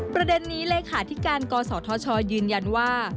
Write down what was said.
ประเด็นนี้เลขาธิการกศธชยืนยันว่า